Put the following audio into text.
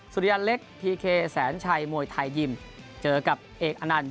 สุริยันเล็กพีเคแสนชัยมวยไทยยิมเจอกับเอกอนันต